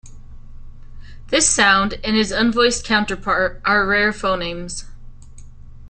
This sound and its unvoiced counterpart are rare phonemes.